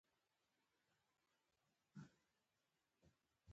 ملنګ هم د هغه ځای څخه رابهر شو.